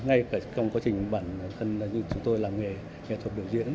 ngay cả trong quá trình bản thân như chúng tôi làm nghề nghệ thuật biểu diễn